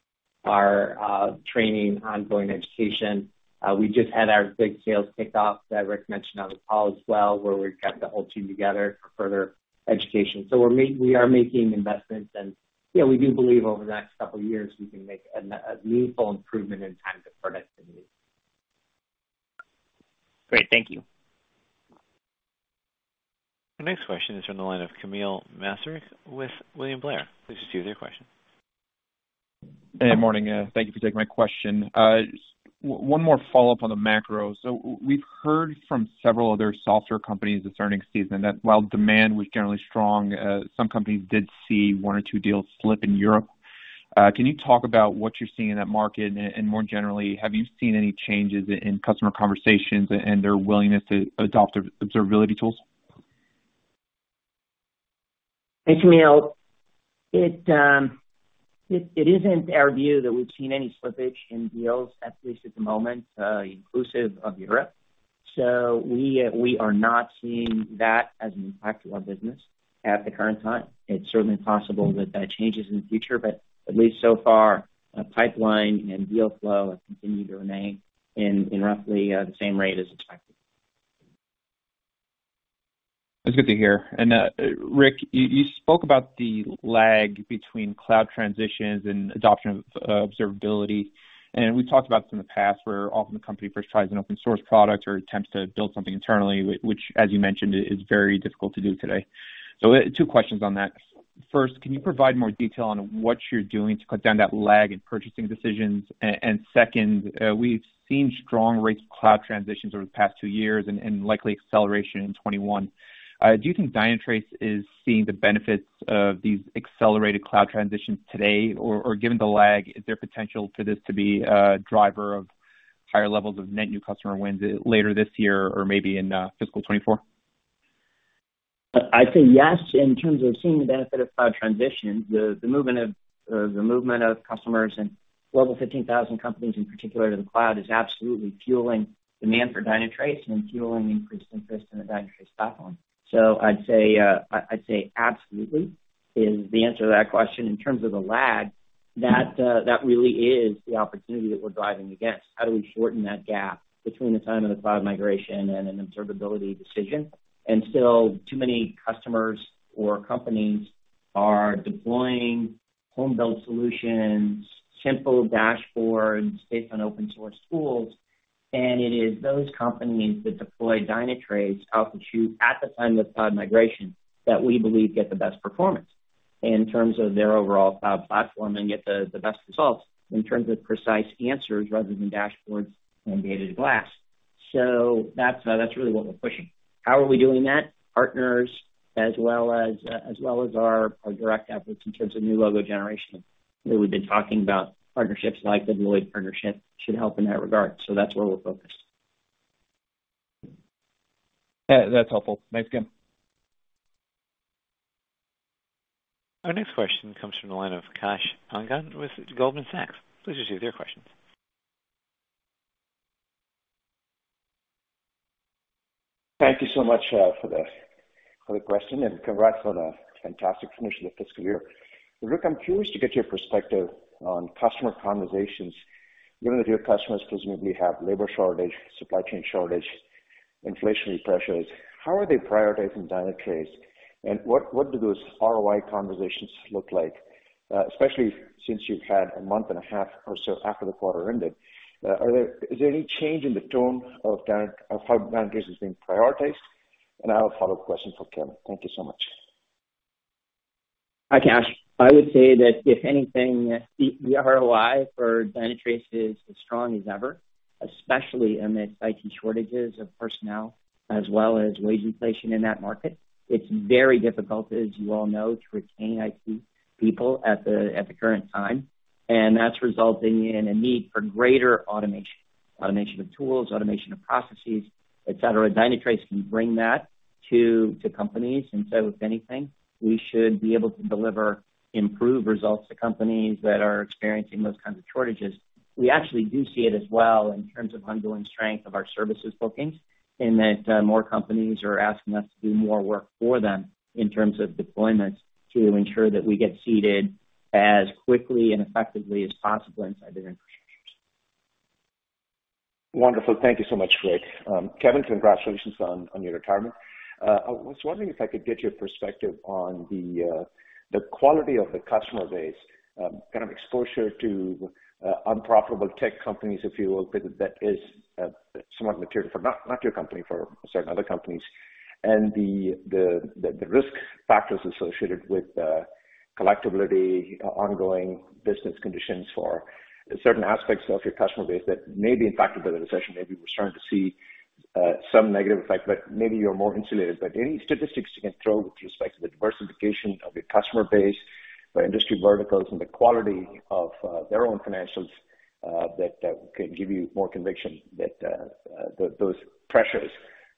training, ongoing education. We just had our big sales kickoff that Rick mentioned on the call as well, where we got the whole team together for further education. We are making investments and, you know, we do believe over the next couple of years, we can make a meaningful improvement in terms of productivity.
Great. Thank you.
Our next question is from the line of Kamil Mielczarek with William Blair. Please proceed with your question.
Good morning. Thank you for taking my question. One more follow-up on the macro. We've heard from several other software companies this earnings season that while demand was generally strong, some companies did see one or two deals slip in Europe. Can you talk about what you're seeing in that market? And more generally, have you seen any changes in customer conversations and their willingness to adopt observability tools?
Thanks, Camille. It isn't our view that we've seen any slippage in deals, at least at the moment, inclusive of Europe. We are not seeing that as an impact to our business at the current time. It's certainly possible that that changes in the future, but at least so far, our pipeline and deal flow have continued to remain in roughly the same rate as expected.
That's good to hear. Rick, you spoke about the lag between cloud transitions and adoption of observability. We've talked about this in the past where often the company first tries an open source product or attempts to build something internally, which, as you mentioned, is very difficult to do today. Two questions on that. First, can you provide more detail on what you're doing to cut down that lag in purchasing decisions? And second, we've seen strong rates of cloud transitions over the past two years and likely acceleration in 2021. Do you think Dynatrace is seeing the benefits of these accelerated cloud transitions today? Or, given the lag, is there potential for this to be a driver of higher levels of net new customer wins later this year or maybe in fiscal 2024?
I'd say yes in terms of seeing the benefit of cloud transition. The movement of customers and Global 15,000 companies in particular to the cloud is absolutely fueling demand for Dynatrace and fueling increased interest in the Dynatrace platform. I'd say absolutely is the answer to that question. In terms of the lag, that really is the opportunity that we're driving against. How do we shorten that gap between the time of the cloud migration and an observability decision? Still too many customers or companies are deploying home-built solutions, simple dashboards based on open source tools. It is those companies that deploy Dynatrace out the chute at the time of cloud migration that we believe get the best performance in terms of their overall cloud platform, and get the best results in terms of precise answers rather than dashboards and data to glass. That's really what we're pushing. How are we doing that? Partners as well as our direct efforts in terms of new logo generation that we've been talking about. Partnerships like the Deloitte partnership should help in that regard. That's where we're focused.
That's helpful. Thanks again.
Our next question comes from the line of Kash Rangan with Goldman Sachs. Please proceed with your questions.
Thank you so much for the question, and congrats on a fantastic finish to the fiscal year. Rick, I'm curious to get your perspective on customer conversations. Many of your customers presumably have labor shortage, supply chain shortage, inflationary pressures. How are they prioritizing Dynatrace, and what do those ROI conversations look like? Especially since you've had a month and a half or so after the quarter ended. Is there any change in the tone of how Dynatrace is being prioritized? I have a follow-up question for Kevin. Thank you so much.
Hi, Kash. I would say that if anything, the ROI for Dynatrace is as strong as ever, especially amid IT shortages of personnel as well as wage inflation in that market. It's very difficult, as you all know, to retain IT people at the current time, and that's resulting in a need for greater automation. Automation of tools, automation of processes, et cetera. Dynatrace can bring that to companies, and so if anything, we should be able to deliver improved results to companies that are experiencing those kinds of shortages. We actually do see it as well in terms of ongoing strength of our services bookings, in that more companies are asking us to do more work for them in terms of deployments to ensure that we get seated as quickly and effectively as possible inside their infrastructures.
Wonderful. Thank you so much, Rick. Kevin, congratulations on your retirement. I was wondering if I could get your perspective on the quality of the customer base, kind of exposure to unprofitable tech companies, if you will. That is somewhat material for, not your company, for certain other companies. The risk factors associated with collectibility, ongoing business conditions for certain aspects of your customer base that may be impacted by the recession. Maybe we're starting to see some negative effect, but maybe you're more insulated. Any statistics you can throw with respect to the diversification of your customer base by industry verticals and the quality of their own financials that can give you more conviction that those pressures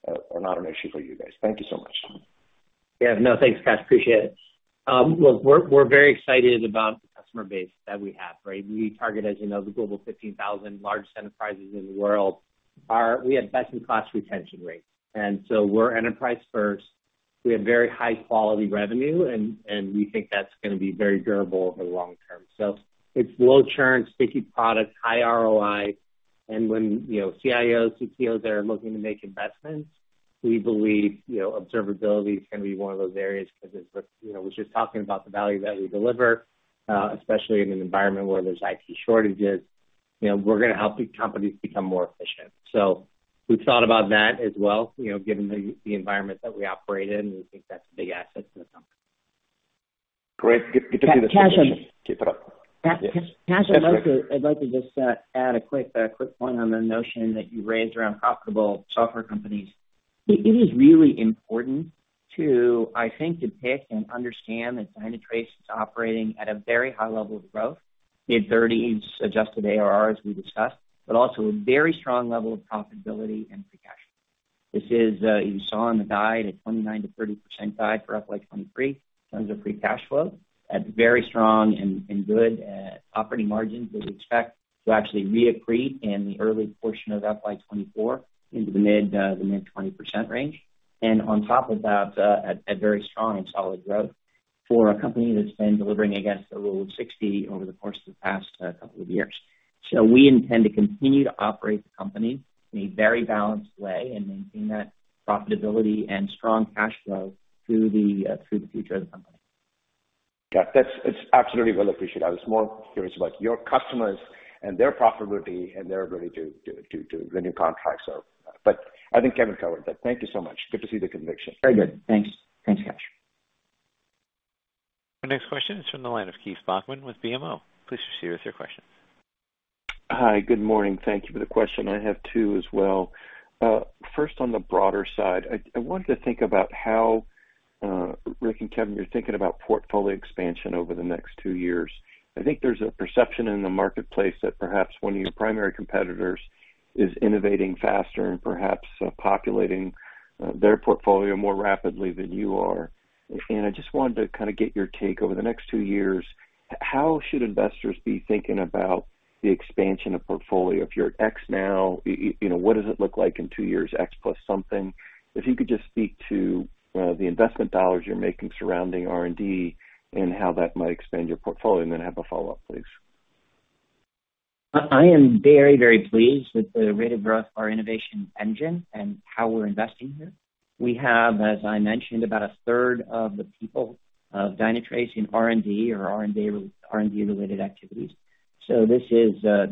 are not an issue for you guys. Thank you so much.
Yeah. No, thanks, Kash. Appreciate it. Look, we're very excited about the customer base that we have, right? We target, as you know, the Global 15,000 large enterprises in the world. We have best-in-class retention rates, and we're enterprise first. We have very high quality revenue, and we think that's gonna be very durable over the long term. It's low churn, sticky products, high ROI. When, you know, CIOs, CTOs are looking to make investments, we believe, you know, observability is gonna be one of those areas because it's, you know, we're just talking about the value that we deliver, especially in an environment where there's IT shortages. You know, we're gonna help these companies become more efficient. We've thought about that as well, you know, given the environment that we operate in, we think that's a big asset to the company.
Great. Good to hear.
Kash-
Keep it up. Yes.
Kash, I'd like to just add a quick point on the notion that you raised around profitable software companies. It is really important, I think, to pick and understand that Dynatrace is operating at a very high level of growth, mid-thirties adjusted ARR, as we discussed, but also a very strong level of profitability and free cash flow. You saw on the guide a 29%-30% guide for FY 2023 in terms of free cash flow at very strong and good operating margins that we expect to actually re-accrete in the early portion of FY 2024 into the mid-20% range. On top of that, with very strong and solid growth for a company that's been delivering against a rule of 60 over the course of the past couple of years. We intend to continue to operate the company in a very balanced way and maintain that profitability and strong cash flow through the future of the company.
Yeah, that's, it's absolutely well appreciated. I was more curious about your customers and their profitability and their ability to renew contracts so. I think Kevin covered that. Thank you so much. Good to see the conviction.
Very good. Thanks. Thanks, Kash.
Our next question is from the line of Keith Bachman with BMO. Please proceed with your question.
Hi, good morning. Thank you for the question. I have two as well. First, on the broader side, I wanted to think about how Rick and Kevin, you're thinking about portfolio expansion over the next two years. I think there's a perception in the marketplace that perhaps one of your primary competitors is innovating faster and perhaps populating their portfolio more rapidly than you are. I just wanted to kind of get your take over the next two years, how should investors be thinking about the expansion of portfolio? If you're X now, you know, what does it look like in two years X plus something? If you could just speak to the investment dollars you're making surrounding R&D and how that might expand your portfolio, and then I have a follow-up, please.
I am very, very pleased with the rate of growth of our innovation engine and how we're investing here. We have, as I mentioned, about a third of the people of Dynatrace in R&D or R&D-related activities. This is a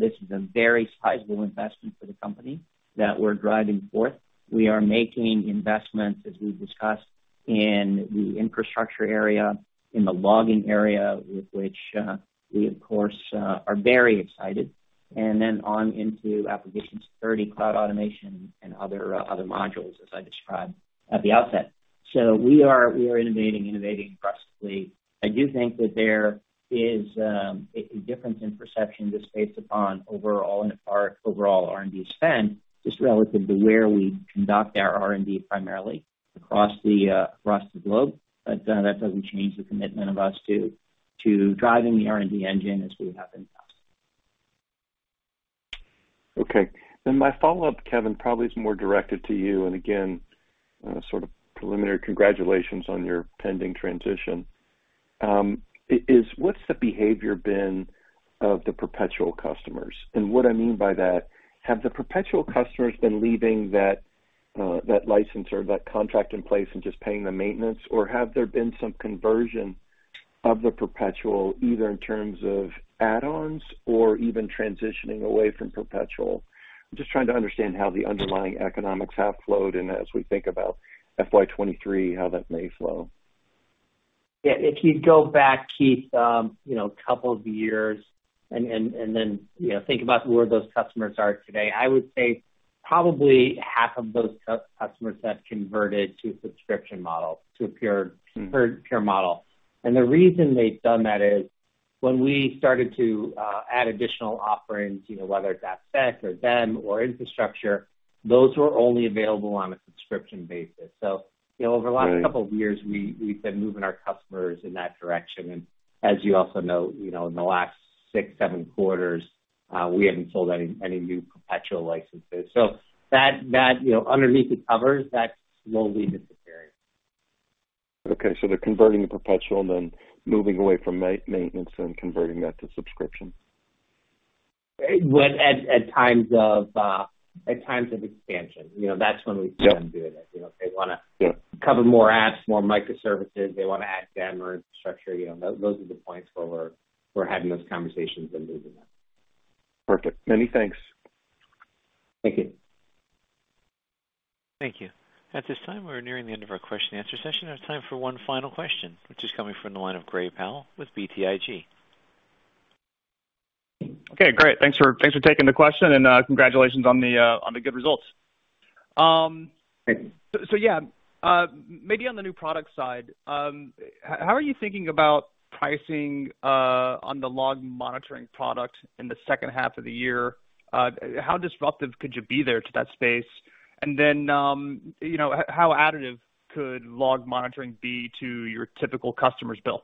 very sizable investment for the company that we're driving forth. We are making investments, as we've discussed, in the infrastructure area, in the logging area, with which we of course are very excited. Then on into applications, security, cloud automation and other modules as I described at the outset. We are innovating aggressively. I do think that there is a difference in perception just based upon our overall R&D spend, just relative to where we conduct our R&D primarily across the globe. that doesn't change the commitment of us to driving the R&D engine as we have in the past.
Okay. My follow-up, Kevin, probably is more directed to you. Again, sort of preliminary congratulations on your pending transition. Is, what's the behavior been of the perpetual customers? What I mean by that, have the perpetual customers been leaving that license or that contract in place and just paying the maintenance? Or have there been some conversion of the perpetual, either in terms of add-ons or even transitioning away from perpetual? I'm just trying to understand how the underlying economics have flowed, and as we think about FY 2023, how that may flow.
Yeah, if you go back, Keith, you know, a couple of years and then, you know, think about where those customers are today, I would say probably half of those customers have converted to a subscription model, to a pure model. The reason they've done that is when we started to add additional offerings, you know, whether it's AppSec or DEM or infrastructure, those were only available on a subscription basis. You know, over the last couple of years, we've been moving our customers in that direction. As you also know, you know, in the last six-seven quarters, we haven't sold any new perpetual licenses. That, you know, underneath the covers, that slowly disappearing.
They're converting the perpetual and then moving away from maintenance and converting that to subscription.
When, at times of expansion, you know, that's when we see them doing it. You know, if they wanna-
Yeah.
cover more apps, more microservices, they wanna add them or infrastructure, you know, those are the points where we're having those conversations and moving them.
Perfect. Many thanks.
Thank you.
Thank you. At this time, we're nearing the end of our question and answer session. There's time for one final question, which is coming from the line of Gray Powell with BTIG.
Okay, great. Thanks for taking the question and congratulations on the good results.
Thanks.
Maybe on the new product side, how are you thinking about pricing on the log monitoring product in the second half of the year? How disruptive could you be there to that space? You know, how additive could log monitoring be to your typical customer's bill?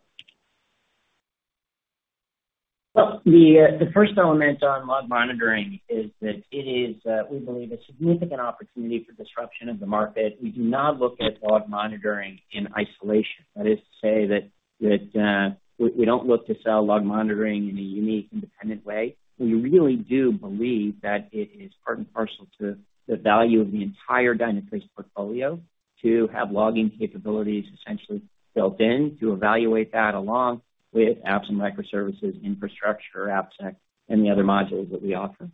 Well, the first element on log monitoring is that it is, we believe, a significant opportunity for disruption of the market. We do not look at log monitoring in isolation. That is to say that we don't look to sell log monitoring in a unique, independent way. We really do believe that it is part and parcel to the value of the entire Dynatrace portfolio to have logging capabilities essentially built in to evaluate that along with apps and microservices, infrastructure, AppSec, and the other modules that we offer.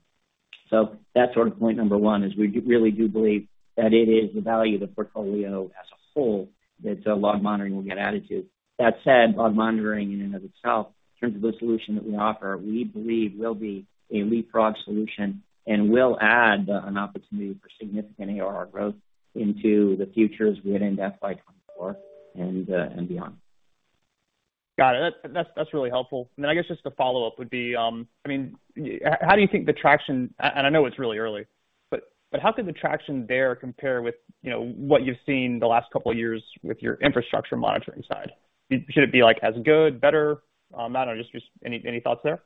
That's sort of point number one, is we really do believe that it is the value of the portfolio as a whole that log monitoring will get added to. That said, log monitoring in and of itself, in terms of the solution that we offer, we believe will be a leapfrog solution and will add an opportunity for significant ARR growth into the future as we head into FY 2024 and beyond.
Got it. That's really helpful. I guess just a follow-up would be, I mean, how do you think the traction. I know it's really early, but how could the traction there compare with, you know, what you've seen the last couple of years with your Infrastructure Monitoring side? Should it be, like, as good, better, I don't know, just any thoughts there?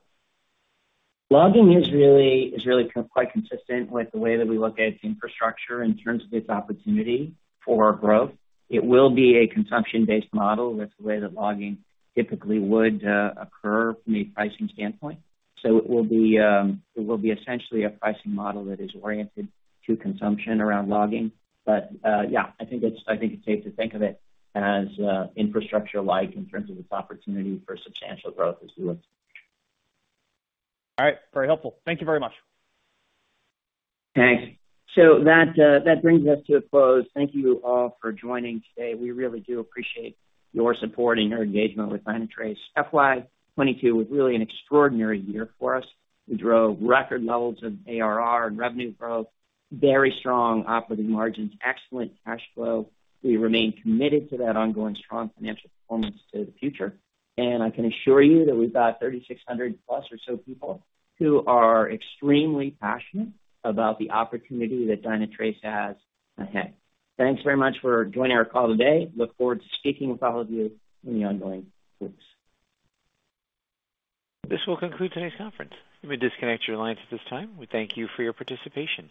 Logging is really quite consistent with the way that we look at infrastructure in terms of its opportunity for growth. It will be a consumption-based model. That's the way that logging typically would occur from a pricing standpoint. It will be essentially a pricing model that is oriented to consumption around logging. I think it's safe to think of it as infrastructure-like in terms of its opportunity for substantial growth as we look to the future.
All right. Very helpful. Thank you very much.
Thanks. That brings us to a close. Thank you all for joining today. We really do appreciate your support and your engagement with Dynatrace. FY 2022 was really an extraordinary year for us. We drove record levels of ARR and revenue growth, very strong operating margins, excellent cash flow. We remain committed to that ongoing strong financial performance to the future. I can assure you that we've got 3,600 plus or so people who are extremely passionate about the opportunity that Dynatrace has ahead. Thanks very much for joining our call today. Look forward to speaking with all of you in the ongoing weeks.
This will conclude today's conference. You may disconnect your lines at this time. We thank you for your participation.